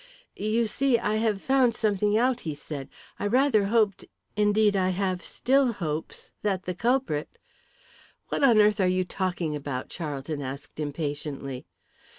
"You see, I have found something out," he said. "I rather hoped indeed, I have still hopes that the culprit " "What on earth are you talking about?" Charlton asked impatiently.